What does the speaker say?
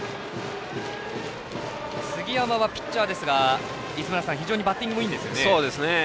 杉山はピッチャーですが泉田さんバッティングがいいんですよね。